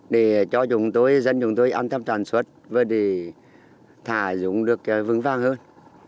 để cho chúng tôi dân chúng tôi ăn thăm toàn suất và để thả dùng được vững vang hơn